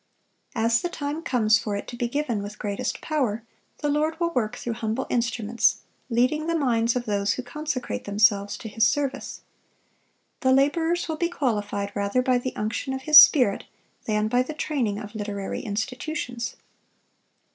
As the time comes for it to be given with greatest power, the Lord will work through humble instruments, leading the minds of those who consecrate themselves to His service. The laborers will be qualified rather by the unction of His Spirit than by the training of literary institutions.